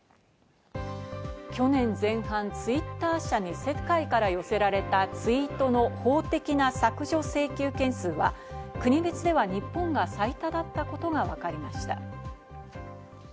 去年前半、Ｔｗｉｔｔｅｒ社に世界から寄せられたツイートの法的な削除請求件数は国別では日本が最多だったことがわかりました。